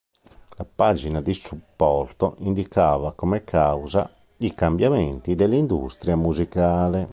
La pagina di supporto indicava come causa i cambiamenti dell'industria musicale.